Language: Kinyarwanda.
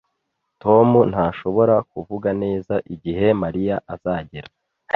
Tom ntashobora kuvuga neza igihe Mariya azagera